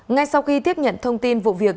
ngay sau khi tiếp nhận thông tin vụ việc